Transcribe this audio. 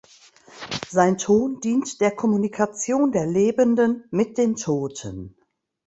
Sein Ton dient der Kommunikation der Lebenden mit den Toten.